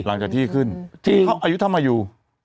หลังจากที่ขึ้นที่เขาอายุธรรมยู